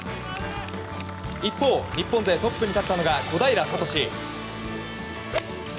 一方、日本勢トップに立ったのが小平智。